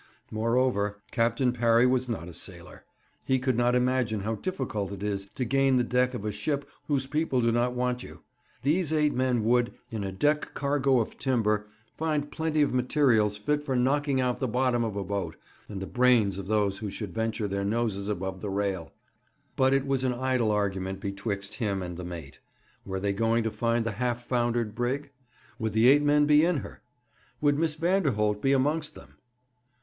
Moreover, Captain Parry was not a sailor. He could not imagine how difficult it is to gain the deck of a ship whose people do not want you. These eight men would, in a deck cargo of timber, find plenty of materials fit for knocking out the bottom of a boat, and the brains of those who should venture their noses above the rail. But it was an idle argument betwixt him and the mate. Were they going to find the half foundered brig? Would the eight men be in her? Would Miss Vanderholt be amongst them?